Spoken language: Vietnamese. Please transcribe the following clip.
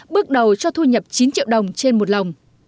bước đầu cho thu nhập chín triệu đồng trên một lồng